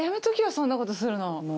そんなことするの。